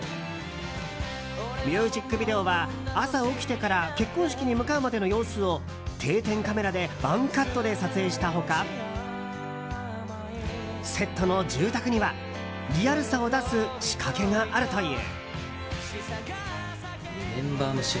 ミュージックビデオは朝起きてから結婚式に向かうまでの様子を定点カメラでワンカットで撮影した他セットの住宅にはリアルさを出す仕掛けがあるという。